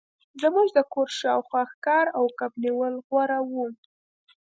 زموږ د کور شاوخوا ښکار او کب نیول غوره وو